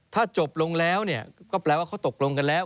ถ้าจบลงแล้วก็แปลว่าเขาตกลงกันแล้ว